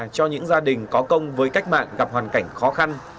cho những gia đình có công với cách mạng gặp hoàn cảnh khó khăn